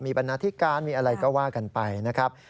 บรรณาธิการมีอะไรก็ว่ากันไปนะครับ